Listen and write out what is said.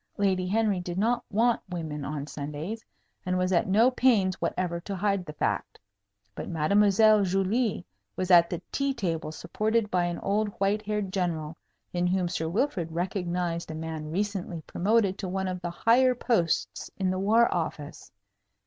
Lady Henry did not want women on Sundays, and was at no pains whatever to hide the fact. But Mademoiselle Julie was at the tea table, supported by an old white haired general, in whom Sir Wilfrid recognized a man recently promoted to one of the higher posts in the War Office.